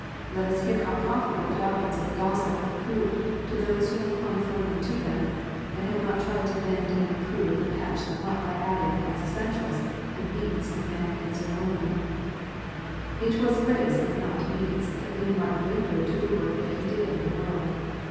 Let us hear how profitable the doctrines of the Gospel have proved to those who have clung firmly to them, and have not tried to mend and improve and patch them up by adding, as essentials, the " meats " of man made ceremonial. It was " grace, and not meats," that made Martin Luther do the work that he did in the world.